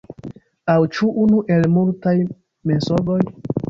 Aŭ ĉu unu el multaj mensogoj?